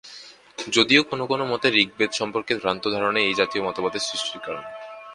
যদিও কোনো কোনো মতে, ঋগ্বেদ সম্পর্কে ভ্রান্ত ধারণাই এই জাতীয় মতবাদের সৃষ্টির কারণ।